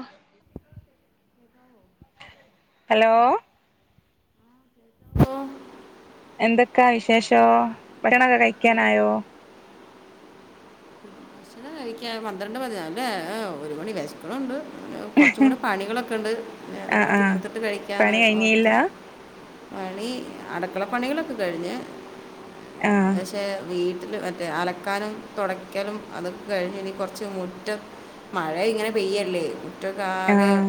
ആഹ് hello ഓ എന്തൊക്കാ വിശേഷോ ഭരണമൊക്കെ കഴിക്കാനായോ ഭക്ഷണംകഴിക്ക പന്ത്രണ്ട് ഏ ഊ ഒരു മണി വേശ് ന്നുണ്ട് കുറച്ചും കൂടി പണികളൊക്കെ ഉണ്ട് പിന്ന ആഹ് അതുകൂടെ ആഹ് തീർത്തിട്ട് കഴിക്കാന്ന് പണി കഴിഞ്ഞില്ല ഓർത്ത് [inaudible] പണി അടക്കള പണികളൊക്കെ കഴിഞ്ഞ് ആഹ് പക്ഷെ വീട്ടിൽ അലക്കാനും തുടയ്ക്കലും അതൊക്കെ കഴിഞ്ഞ് ഇനി കുറച്ച് മുറ്റം മഴ ഇങ്ങനെ പെയ്യല്ലേ മുറ്റക്കെ ആകെ ആഹ്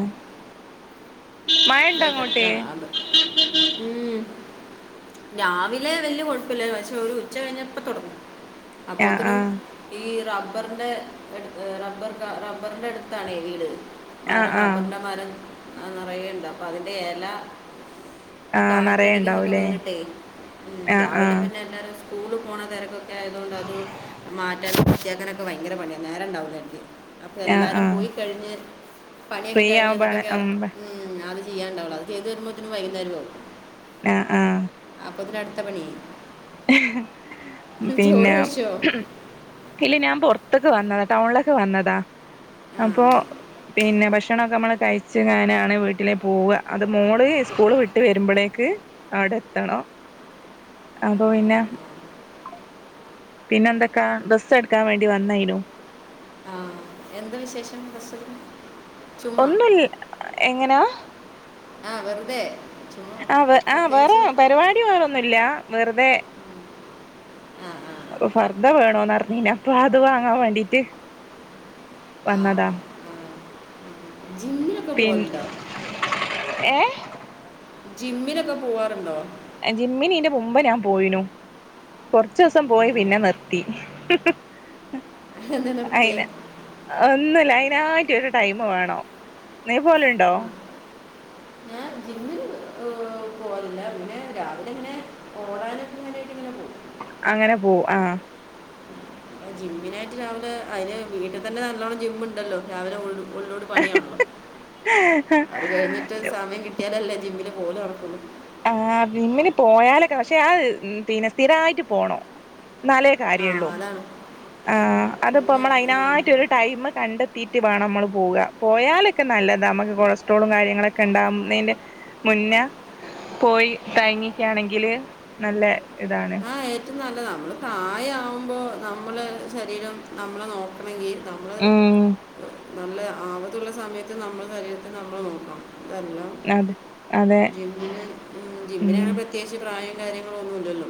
മഴണ്ടോ അങ്ങോട്ട് കിടക്കാണ് അത് ഉ രാവിലെ വല്ല കൊഴപ്പല്ല പക്ഷെ ഒരു ഉച്ച കഴിഞ്ഞപ്പ തുടങ്ങും ആഹ് അപ്പൊത്തിനും ആഹ് ഈ റബ്ബറിന്റെ റബ്ബർ റബ്ബറിന്റെ അടുത്താണേ വീട് ആഹ് മരം ആഹ് റബ്ബറിറെ മരം നിറയേണ്ട് അപ്പൊ അതിൻറെ എല ആഹ് നറയെ കാറ്റടിക്കുമ്പൊക്കെ ഉണ്ടാവൂലേ വീണിട്ടെ ആഹ് രാവിലെ ആഹ് പിന്നെ എല്ലാ ദിസവും സ്കൂള് പോണ തിരക്കൊക്കെ ആയതുകൊണ്ട് അത് മാറ്റാൻ വൃത്തിയാക്കാനൊക്കെ ഭയങ്കര പണിയ നേരംണ്ടാവൂല എനിക്ക് അപ്പൊ ആഹ് എല്ലാരും ആഹ് പോയി കഴിഞ്ഞ് പണിയൊക്കെ ഫ്രീ കഴിഞ്ഞ് ആവുമ്പാണ് എന്നപ്പൊക്ക ഉം ഉം അത് ചെയ്യണ്ടാവുള്ളൂ അത് ചെയ്ത് വരുമ്പോഴത്തേന് വൈകുന്നേരം ആവും ആഹ് ആഹ് അ പൊതിന് അടുത്ത പണി ആയി പിന്നെ കഴിച്ചോ ഇല്ല ഞാൻ പുറത്തക്ക് വന്നതാ ടൗണിലൊക്കെ വന്നതാ അപ്പൊ പിന്നെ ഭക്ഷണോക്കെ നമ്മൾ കഴച്ച്ങ്ങാനാണ് വീട്ടിലെ പോവ അത് മോള് സ്കൂൾ വിട്ട് വരുമ്പളേക്ക് ഔടെത്തണം അപ്പൊ പിന്നെ പിന്നെ എന്തൊക്കാ? ഡ്രസ്സ് എടുക്കാൻ വേണ്ടി വന്നായിനു എന്ത് വിശേഷം [unintelligible] ചുമ്മാ ഒന്നുല എങ്ങനാ ആ വെറുതെ ചുമ്മാ ആ വേ ആ വേറെ പ്രത്യേകിച്ച് പരിപാടി വേറൊന്നുല്ല വെറുതെ ആ ആ അപ്പൊ ഫർ ദ വേണോന്ന്റിഞ്ഞന അപ്പൊ അത് വാങ്ങാൻ വേണ്ടിട്ട് വന്നതാ ജിമ്മിലൊക്കെ പിൻ പോകുന്നുണ്ടോ എ ജിമ്മിനൊക്കെ പോവാാറുണ്ടോ? ജിമ്മിനിന്റെ മുമ്പ് ഞാൻ പോയിനു. കുറച്ച ദിവസം പോയി പിന്നെ നിർത്തി. എന്താ നിർത്തിയേ അയിന ഒന്നുംല്ല അതിനായിട്ട ഒരു ടൈം വേണോ നീ പോലുണ്ടോ? ജിമ്മിൽ പോകലില്ല ഇങ്ങനെ രാവിലെ ഇങ്ങനെ ഓടാനക്കന് വേണ്ടായിട്ട് ഇങ്ങനെ പോ അങ്ങനെ പോ ആ ജിംമ്മിനായിട്ട് രാവിലെ അതിന് വീട്ടിൽ തന്നെ നല്ലോണം ജിംണ്ടല്ലോ. രാവിലെ ഉള്ള ഉള്ളോ പണിയാണല്ലോ അത് കഴിഞ്ഞിട്ട് സമയം കിട്ടിയാലല്ലേ ജിമ്മില് പോലും നടക്കുള്ളൂ. ആ ഇമ്മന് പോയാലൊക്കെ പക്ഷെ ആ പിന്നെ സ്ഥിരമായിട്ട് പോണം. എന്നാലേ ആ കാര്യമള്ളൂ അതാണ് ആ അതിപ്പോ പിന്നെ നമ്മൾ ഉം. അതിനായിട്ട ഒരു ടൈം കണ്ടെത്തിയിട്ട് വേണം നമ്മൾ പോക പോയാലൊക്കെ നല്ലത നമുക്ക് കൊ ഇോളും കാര്യങ്ങളൊക്കെ ഉണ്ടാവുന്നതിന്റെ മുന്നേ പോയി താങ്ങിക്കയാണെങ്കില് നല്ല ഇതാണ്. ആ ഏറ്റവും നല്ലത് നമ്മള് തായ ആവുമ്പോ നമ്മള ശരീരം നമ്മളെ നോക്കണമെങ്കിൽ നമ്മള് ഉം നല്ല ആവത്തുള്ള സമയത്ത് നമ്മൾ ശരീരത്തി നമ്മളെ നോക്കാം. ഇതല്ല അതെ അതെ ജിമ്മിന് ജിമ്മിന ഉം ആണ പ്രത്യേകിച്ച് പ്രായം കാര്യങ്ങള ഒന്നുമല്ലല്ലോ.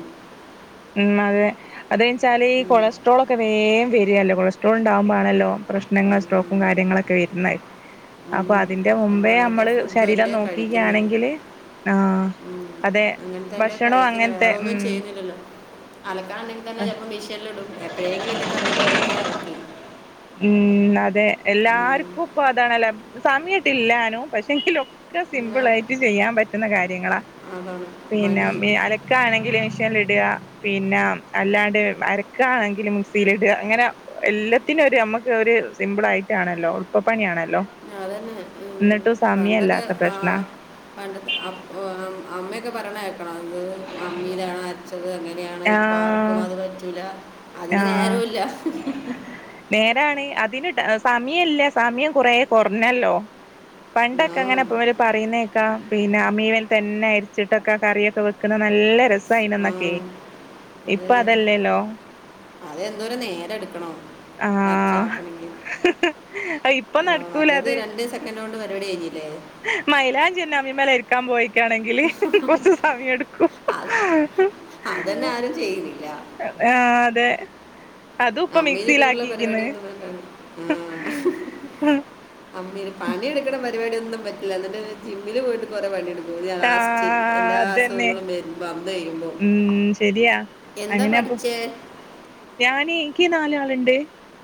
ഉം അതെ അതെന്നെച്ചാല് ഈ ഉം. കൊളസ്ട്രോൾ ഒക്കെ ഒക്കെ വേഗം വരികല്ലോ കൊളസ്ട്രോൾ ഉണ്ടാവകുമ്പാണല്ലോ പ്രശ്നും ഉം. സ്ട്രോുംര്യങ്ങളൊക്കെ വരുന്നത്. [inaudible] അപ്പൊ അതിന്റെ മുമ്പേ അങ്ങനത്തെ നമ്മള് ഫുഡും ശരീരം അല്ലേ നോക്കുകയാണെങ്കില്. ആഹ അങ്ങനത്തെല്ലേ കഴിക്കുന്ന വേറൊന്നും ഉം ചെയ്യുന്നില്ലല്ലോ. അലക്കാനുണ്ടെങ്കിൽ തന്നെ ചിലപ്പോ മഷീനൽ ഇടും എപ്പോഴെങ്കിലും ഒക്കെ കല്ലിൽ അലക്കാ അലക്കി. ഉം അതെ ഉം. എല്ലാർക്കും ഇപ്പൊ അതാണല്ല. സമയട്ടില്ലാനോ പക്ഷെ ങ്കിലൊക്കെ പിന്നെ സിമ്പിള ആയിട്ട് ചെയ്യാൻ പറ്റുന്ന കാര്യങ്ങളാ. അതാണ് മടി പിന്നെ അലക്ക ആണെങ്കിൽ മഷ്യല്ല് ഇട. പിന്നെ അല്ലാണ്ട് അരക്കാണെങ്കിൽ മുക്സിയില ഇടുക. അങ്ങനെ എല്ലാ പിന്നെ ഒരു നമുക്ക് ഒരു സിമ്പിൾ ആയിട്ടാണല്ലോ ഉളപ്പപ്പണിയാണല്ലോ. അതന്നെ ഉം. എന്നിട്ടു സമയല്ലാത്ത പ്രശ്ന പണ്ട് അമ്മയൊക്കെ പറയണ് കേക്കണം അത് അമ്മയിലാ അരച്ചത് അമിലനെയാ. ഇപ്പ ആർക്കും ആഹ് അത് പറ്റൂല അതിന് ആഹ് നേരവുല്ല. നേരാണ് അതിന് സമയം ഇല്ല സമയം കുറ കുറഞ്ഞല്ലോ. ആ പണ്ടൊക്കെ അങ്ങനെ അപ്പ അവ പറയുന്നേക്കാ പിന്നെ അ മീവൻ തന്നെ അരിച്ചിട്ടൊക്കെ കറിയൊക്കെ വെ ക്കുന്ന നല്ല ആ രസമായിനന്നൊക്കെ ഇപ്പൊ അതല്ലേല്ലോ. അതെന്തോരോ നേരെം എടുക്കണം. ആഹ് മരച്ചക്കണെങ്ക ഇപ്പൊ ആ നടക്കൂല മറ്റേത് രണ്ട് ദിവസം. അെ കൊണ്ട് പരിപടി കഴഞ്ഞില്ലേ. മൈലാഞ് എലാംഅമ്മിമല് അരിക്കാൻ പോയി. ക്കാണെങ്കിൽ കൊറച്ച് സമയം എടുക്കും. ചെയ്ല്ല. ആഹ അതെ അതും ഇപ്പം അമ്മയിൽ ഇട്ടിട്ടുള്ള മിക്സിയിലാക്കിരിക്കിണ്. പരിപാടിയൊന്നും വേണ്ട അമ്മീന് പണിയെടുക്കണ പരിപാടിയൊന്നും പറ്റില്ല നട് അലോ ജിമ്മില് പോയിട്ട് കുറെേ പണിയെടുക്കും ആഹ് ലാസ്റ്റ്എല്ലാ അതന്നെ അസുഖങ്ങളും വരുമ്പോ അന്ന് കഴ്യുമ്പോംം ഉം ശരിയാ എന്താ പഠിച്ചേ ഞൻ എനിക്ക് നാലാളുണ്ട്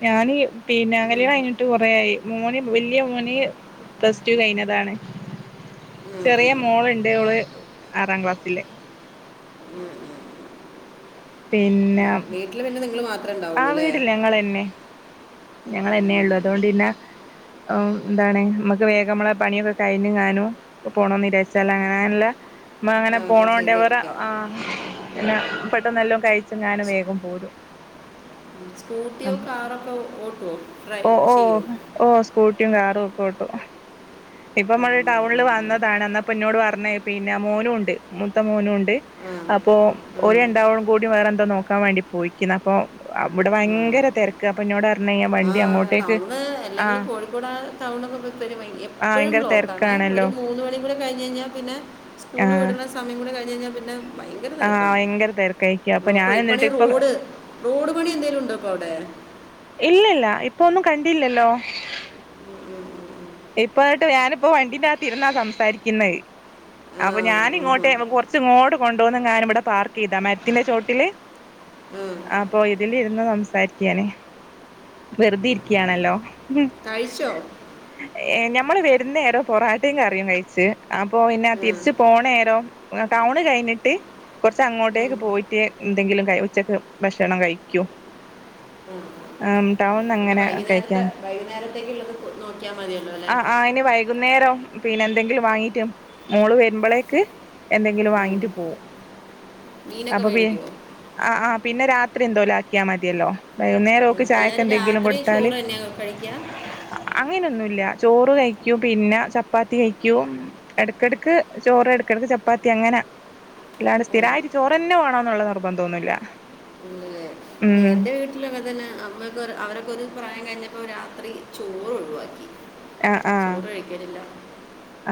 ഞാൻ പിന്നൊ ഉം, കല്യാണം കഴഞ്ഞിട്ട് കൊറൊയി. മോന് വല്യ മോന് പ്ലസ് ടു കഴിഞ്ഞതാണ്. ഉം, ഉം, ചെറിയ ഉം, മോള്ണ്ട് അവള് ആറാം ക്ലാസ്സില്. ഉം, പിന്നെ ഉം. വീട്ടിൽ പിന്നെ നിങ്ങള് മാത്രം ആഹ് വിടില് ഞങ്ങെളെ ന്നെ ഞങ്ങെളെ ന്നെ ഉം. ഉള്ളു അതുകൊണ്ട്ന്നെ ഓഹ് എന്താണ് നമുക്ക് വേഗമുള്ള പണിയൊക്കെ കഴിഞ്ഞു കാണു ഇ പോണംന്നജാർച്ചാ അങ്ങനെല്ല അങ്ങനെ ആ, ഒക്കെ പോണോണ്ട് ചെയ്ത് അവടെ വെക്കാം ആ പിന്നെ പെട്ടെന്ന്ല്ലാം കഴിച്ചും ഞാനും വേഗം പോരും സ്കൂട്ടിയോ അപ്പൊ കാറൊക്കെ ഓട്ടോ ഡ്രൈവ് ചെയ്യോ ഓഹ് സ്കൂട്ടിയും കാറും ഒക്കെ ഓട്ടും ഇപ്പ നമ്മള് ടൗണില് വന്നതാണ് എന്നപ്പന്നോട് പറഞ്ഞ പിന്നെ മോനും ഉണ്ട് മുത്ത മോനും ഉണ്ട് ആ ണ്ട് അപ്പോ ആ, ഓര് രണ്ടാളു കൂടി വേറെ എന്തോ നോക്കാൻ വേണ്ടി പോയിക്കുന്ന അപ്പൊ ഇവിടെ ആ. ഭയങ്കര തെരക്ക് അപ്പൊ എന്നോട് പറഞ്ഞു ആ വണ്ടി അങ്ങോട്ടേക്ക് ടൗണ് അല്ലെങ്കിൽ ആഹ് കോഴിക്കോട് ടൗൺ എന്നക്കെയ ആഹ് എപ്പോഴും ഭയങ്കര ബ്ലോക്ക് ആണ് ഒരു തിരക്കാണല്ലോ മൂന്ന് മണി കൂടെ കഴിഞ്ഞ കഴിഞ്ഞാൽ പിന്നെ സ്കൂൾ ആഹ് വിടുന്ന സമയം കൂടെ കഴിഞ് കഴിഞ്ഞാൽ പിന്നെ ഭയങ്കര ആഹ് തിരിക്കാ ഭയങ്കര തിരക്കായിരിക്കും അപ്പൊ ഞാൻ ബ്ലോക്ക എന്നിട്ട് ഇപ്പനെങ്കി ഈ ഇപ്പൊ റോഡ് റോഡ് പണി എന്തേലും ഉണ്ടപ്പൊ അവിടെ ഇല്ലല്ല ഇപ്പൊന്നും കണ്ടില്ലല്ലോ ഉ ഇപ്പ എന്നിട്ട് ഞാനിപ്പോ വണ്ടീന്റെകതിരുന്നാ സംസാരിക്കുന്നത് ആ അപ്പൊ ഉം, ഞാനിങ്ങോട്ടെ ഉം. ഇങ്ങോട്ട കൊണ്ടുവന്ന് ഞാൻ ഇവിടെ പാർക്ക് ചെയ്താ മരത്തിന്റെ ചോട്ടില് ആഹ് ആപ്പോ ഇതില് ഇരുന്ന് സംസാരിക്കാണ് വെറുതെ ഇരിക്കയാണല്ലോ കയ്ചൊ ഏഹ് ഞമ്മള് വരുന്നേരോ പൊറാട്ടയും കറിയും കയ്ച്ച് അപ്പൊ പിന്നെ ഉം, തിരിച്ച് പോണേരം ടൗണ് കയ്ഞ്ഞിട്ട് കൊറച്ച് ഉം. അങ്ങോട്ടേക്ക് പോയിട്ട് എന്തെങ്കിലും ഉച്ചക്ക് ഭക്ഷണം കയ്ക്കും ആം ടൗൺ അങ്ങെ പിന്നെ വൈകുന്നേരത്തെ വൈകുന്നേരത്തേക്ക ഉള്ളത് നോക്കിയാൽ മതിയ ഉള്ള അല്ലേ ആഹ് ആയിന് വൈകുന്നേരം പിന്നെ എന്തെങ്കിലും വാങ്ങീട്ടും മോള് വരുമ്പോളേക്ക് എന്തെങ്കിലും ഉം. വാങ്ങിട്ട് പോകും മീനൊക്കെ അപ്പൊ പി മേടിക്കുമോ ആഹ് ആഹ് പിന്നെ രാത്രി എന്തോലും ആക്കിയാൽ മതിയല്ലോ വൈകുന്നേരം ക്ക് ചായക്ക് എന്തെങ്കിലും കൊടുത്താല് കഴിക്ക അങ്ങനെയൊന്നുല്ല ചോറ് കഴിക്കൂ പിന്നെ ചപ്പാത്തി കഴിക്കൂ എടക്കിടക്ക് ചോറ് എടക്കിടക്ക് ചപ്പാത്തി അങ്ങനെ അല്ലാണ്ട് സ്ഥിരായിട്ട് ച്ചോർന്നെ വേണന്നുള്ള നിർബന്ധം ഒന്നുമല്ല [unintelligible] എന്റെ വീട് വീട്ടിലൊക്കെ തന്നെ അമ്മക്ക് അവരൊക്കെ ഒരു പ്രായം കഴിഞ്ഞപ്പോ രാത്രി ചോറ് ഒഴിവാക്കി ആഹ് ആഹ് ചോറ് കഴിക്കലില്ല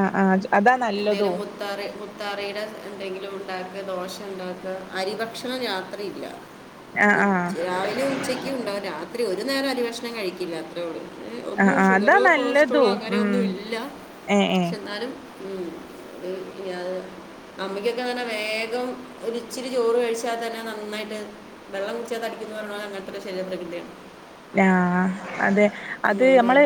ആഹ് ആഹ് അതാ നല്ലതും മുത്താറ മുത്താറയുടെ എന്തെങ്കിലും ഉണ്ടാക്ക ദോശ ഉണ്ടാക്ക അരി ഭക്ഷണ രാത്രിയില്ല ആഹ് ഉം ആഹ് രാവിലെയും ഉച്ചക്ക ഉണ്ടാവും രാത്രി ഒരു നേരം അരി ഭക്ഷണം കഴിക്കില്ല അത്രേ ഉള്ളൂ ആഹ് ഒന്നും ആഹ് അതാ ഷുഗറോ കൊളസ്ട്രോളോ നല്ലതും അങ്ങനെയ ഉം ഒന്നും ഇല്ല ഏഹ് ഏഹ് എന്നാലും ഉം ഉം ഉം ഞാൻ അമ്മയ്ക്കൊക്കെ തന്നെ വേഗം ഒര് ഇച്ചിരി ചോറ് കഴിച്ചാൽ തന്നെ നന്നായിട്ട് വെള്ളം കുച തടിക്കും പറഞ്ഞ അങ്ങനത്തെ ശരീര പ്രകൃതി യാ ആഹ് അതെ അത് ഞാൻ നമ്മള്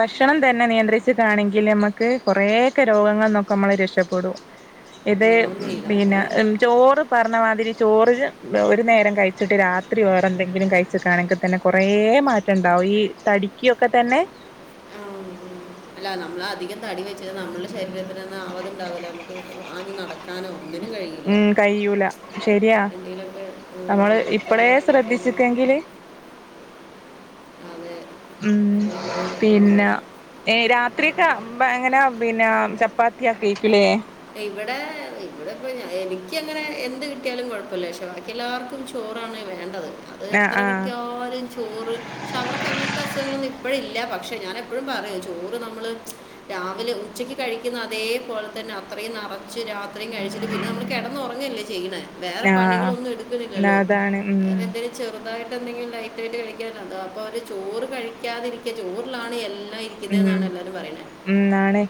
ഭക്ഷണം തന്നെ നിയന്ത്രിച്ചു കാണെങ്കിൽ നമ്മ കൊറൊക്കെ രോഗങ്ങൾന്നൊക്കെ നമ്മൾ രക്ഷപ്പെടും ഇത് ഒന്ന് പിന്നെ ചെയ്താൽ ചോറ് പറഞ്ഞമാതിരി ചോറ് ഒരു നേരം കഴിച്ചിട്ട് രാത്രി വേറെ എന്തെങ്കിലും കഴിച്ചിട്ടാണെങ്കിൽ തന്നെ കുറ കുറേ മാറ്റം ഉണ്ടാവും ഈ തടിക്കൊക്കെ തന്നെ ആഹ് അല്ല നമ്മള അധികം തടി വെച്ചത് നമ്മളുടെ ശരീരത്തിനെന്നെ ആവതു ഉണ്ടാവല്ലോ [unintelligible] ടുക്കാനോ ഒന്നിനും കഴിയില്ല ഉം കഴിയൂല ശരിയാ എന്തേലൊക്കെ. നമ്മള് ഇപ്പളേ ശ്രദ്ധിച്ചില്ലെങ്കില്. അതെ ഉം അതെ അതെ പിന്നെ അതെ ഏഹ് രാ ത്രിക്ക് എങ്ങനാ പിന്നെ ചപ്പാത്തിയാക്കിക്കു അല്ലേ. ഇവിടെ ഇവിടിപ്പം എനിക്കങ്ങനെ എന്ത് കിട്ടിയാലും കുഴപ്പമില്ല പക്ഷെ ബാക്കി എല്ലാവർക്കും. ചോറാണ് വേണ്ടത് അത് ആഹ് എത്ര ആഹ് കിട്ടിയാലും. ചോറ് പക്ഷെ അവർക്ക് അങ്ങനത്തെ അസുഖങ്ങളൊന്നും ഇപ്പഴ് ഇല്ല പക്ഷെ ഞാൻ എപ്പോഴും പറയൂ ചോറ് നമ്മള്. രാവിലെ ഉച്ചക്ക് കഴിക്കുന്ന അതേപോലെ തന്നെ അ അത്രയും നിറച്ച് രാത്രിയും കഴിച്ചിട്ട് പിന്നെ നമ്മൾ കിടന്ന് ഉറങ്ങല്ലേ ചെയ്യണേ. വേറെ പണികളൊന്നും ആഹ് എടുക്കുന്നില്ലല്ലോ അതാണ് ഉം വേറെ എന്തെലും ചെറുതായിട്ട് എന്തെങ്കിലും ലൈറ്റ് ആയിട്ട് കഴിക്കാന് അപ്പൊ അവര് ചോറ് കഴിക്കാതിരിക്കുക ചോറിലാണ് എല്ലാം ഇരിക്കു ന്നത് ഉം എന്നാണെല്ലാരും പറയണേ ഉം ആണ്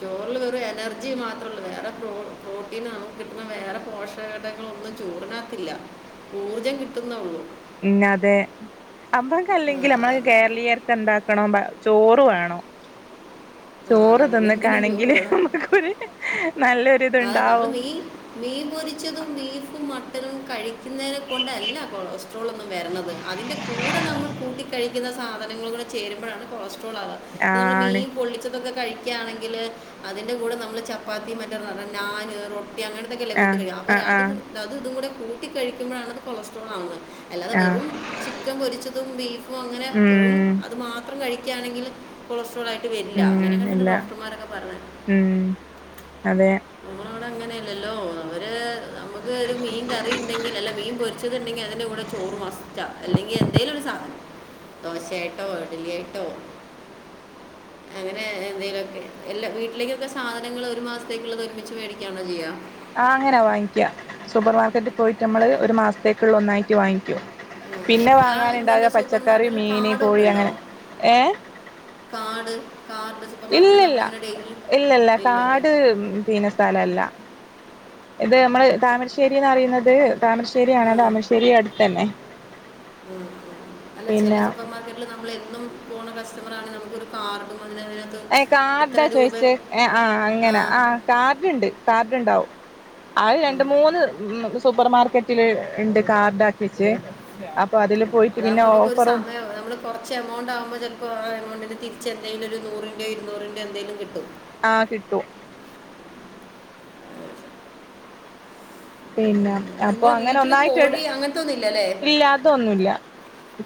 ചോറില് വെറും എനർ ജി മാത്രേ ഉള്ളൂ വേറെ പ്ര പ്രോട്ടീൻ നമ്മുക്ക് കിട്ടണ വേറെ പോഷക ഘടകങ്ങൾ ഒന്നും ചോറിനാത്തില്ല. ഊർജം കിട്ടുന്നേയുള്ളൂ. തിന്നാതെ നമ്മക്ക് ആ, അല്ലെങ്കിൽ നമ്മടെ അതുകൊണ്ട് കേരളീയർ. എന്താക്കണം ചോറ് വേണം ആ, ചോറ് അതാണ് എന്തിനും ചോറ് തിന്ന്ക്കാണെങ്കില്. നല്ലൊരു. ആഹ് നമ്മള് മീൻ, മീൻ പൊരിച്ചതും, ബീഫും, മട്ടനും കഴിക്ക ക്കുന്നതിനെ കൊണ്ട് അല്ല കൊളസ്ട്രോളൊന്നും വരുന്നത് അതിൻ്റെ കൂടെ നമ്മൾ കൂട്ടി കഴി ക്കുന്ന സാധനങ്ങൾ ചേരുമ്പോഴാണ് കൊളസ്ട്രോൾ ആവുക ഇപ്പൊ നമ്മള് ആണ് മീൻ പൊള്ളിച്ചൊതൊക്കെ കഴി ക്കാണെങ്കില് അതിന്റെ കൂടെ നമ്മള് ചപ്പാത്തി മറ്റെ നാന്, റൊട്ടി അങ്ങനെ തി ഇതൊക്കെയല്ലേ കൂട്ടി ആഹ് കഴിക്ക അപ്പൊ ആഹ് അതും ആഹ് ഇതും കൂടി കൂട്ടകഴിക്കുമ്പോഴാ ആണത് കൊളസ്ട്രോൾ ആവുന്നത്. അല്ലാതെ ആഹ് വെറും ചിക്കൻ പൊരിച്ചതും, ബീഫും അങ്ങനെ വെറും ഉം അത് മാത്രം കഴിക്കയാണെങ്കില്. കൊളസ്ട്രോൾ ആയിട്ട് വരില്ല ഉം അങ്ങനെയെക്കയാണ് ഇല്ല ഡോക്ടർമാരൊക്കെ പറയണേ. ഉം അതെ. നമ്മളിവിടെ അങ്ങനെയല്ലല്ലോ അവര് നമുക്ക് ഒരു മീൻ കറി ഉണ്ടെങ്കിൽ അല്ല മീൻ പൊരി ച്ചതുണ്ടെങ്കിൽ അതിന്റെ കൂടെ ചോറ് മസ്റ്റാ അല്ലെങ്കി എന്തേലും ഒരു സാധനം. ദോശയായിട്ടോ ഇഡ്ലി ആയിട്ടോ. അങ്ങനെ എന്തേലും ഒക്കെ എല്ലാ വീട്ടിലേക്കൊക്കെ സാധനങ്ങൾ ഒരു മാസത്തേക്കുള്ളത് ഒരു മിച്ച് മേടിക്കയാണോ ചെയ്യുക? ആഹ് അങ്ങനെ വാങ്ങിക്ക സൂപ്പർ മാർക്കറ്റിൽ പോയിട്ട് നമ്മള് ഒരു മാസത്തേക്കുള്ളത് ഒന്നായിട്ട് വാങ്ങിക്കും. ഉം. പിന്നെ ആ വാങ്ങാൻ ഉണ്ടാവുക ഇതിൻ്റെ സൂപ്പർ പച്ചക്കറി, മാർക്കറ്റിൽ മീന്, കാർഡൊക്കെ കോഴി അങ്ങനെ ഏഹ്. Card card. സൂപ്പർ മാർക്കറ്റിൽ ഇല്ലില്ല നമ്മളിങ്ങനെ ഡെയിലി ഇല്ലില്ലാ ഇല്ലല്ലേ കാഡ്. ചെയുന്ന സ്ഥല അല്ല ഇത് നമ്മള് താമരശ്ശേരിന്ന് പറയുന്നത്. താമരശ്ശേരി ആണ് ഉം, താമരശ്ശേരി അടുത്ത് തന്നെ. ഉം, അല്ല ചില സുപ്പർ മാർക്കറ്റിൽ നമ്മളെന്നും പോണ കസ്റ്റമർ ആണെ നമുക്കൊരു കാർഡും അതിനകത്ത് ഒരു ഏഹ് കാർഡാ ചോയിച്ചെ, ആഹ് അങ്ങനാ ആ കാർഡ് ഇണ്ട് കാർഡുണ്ടാവും. അത്‌ രണ്ട് മൂന്ന് സൂപ്പർ മാർക്കറ്റില് ഉണ്ട് കാർഡ് ആക്കി വച്ച് അപ്പൊ. അപ്പൊ അതില് പോയിട്ട് പിന്നെ അതാകുമ്പോൾ നമുക്കൊരു ഓഫറും. സമയം നമ്മൾ കുറച്ച് എമൗണ്ട് ആകുമ്പോൾ ചിലപ്പോ ആഹ് കുറച്ച് എമൗണ്ട് ആവുമ്പം ചിലപ്പം തിരിച്ച് എന്തെങ്കിലും ഒരു നൂറിന്റെറെോ ഇരുന്നൂറിന്റെ എന്തെലും കിട്ടും. ആഹ് കിട്ടും. പിന്നെ അപ്പൊ നിങ്ങള് അങ്ങനെ വീട്ടില് ഒന്നായിട്ട് കോഴി അങ്ങനത്തൊന്നും ഇല്ല അല്ലേ. ഇല്ല അതൊന്നുല്ല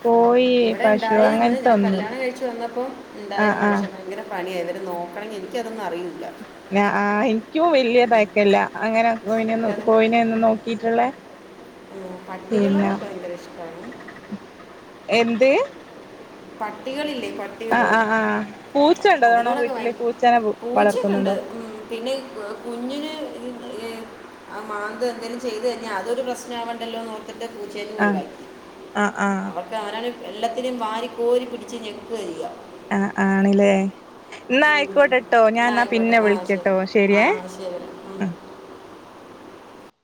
കോഴി ഇവിടെ പശു ഇണ്ടായിരുന്ന് അങ്ങനത്തെ ഞാൻ ഒന്നും കല്യാണം കഴിച്ചു വന്നപ്പോ ആ ഉണ്ടായിരുന്നു ആ പക്ഷെ ഭയങ്കര പണിയാ ഇവരെ നോക്കണമെങ്കിൽ എനിക്ക് അതൊന്നും അറിയുല്ല. ആഹ് എനിക്കും വലിയ തയക്കില്ല അങ്ങനെ കോയിനെ എനിക്കത് കോയിനെന്നും നോ ക്കീട്ടുള്ളേ. പട്ടികളോടൊക്കെ ഉണ്ട് ഒരിഷ്ടം. എന്ത്? പട്ടികളില്ലേ പ ആഹ് ട്ടികള് ആഹ് ആഹ് പൂച്ച ഉണ്ടോ തവണ അതിനോടൊക്കെ ഭയ വീട്ടില് പൂച്ചനെ പൂച്ചക്കെണ്ട് വളർത്തുന്നുണ്ടോ ഉം പിന്നെ എഹ് കുഞ്ഞിന് എഹ് എഹ് അത് മാന്തെ എന്തേലും ചെയ്തയിഞ്ഞാ അതൊരു പ്രശ്നമാവണ്ടല്ലോന്നൊർ ത്ത്ട്ട് പൂച്ചേനിം ആഹ് ഒഴിവാക്കി. ആഹ് ആഹ് [unintelligible] ക്കവനാണെ എല്ലാത്തിനിം വാരി കോരി പിടിച്ച് ഞെക്കാ ചെയ്യാ. ആഹ് ആണ്ല്ലേ എന്നാ ഉം. ആയ്ക്കോട്ടെട്ടോ ഞാൻ എന്നാ ന്നാ ആയിക്കോട്ടെ പിന്നെ ആ ശരി വിളിക്കട്ടോ ആ ശെരിയേ ശരി ഉം.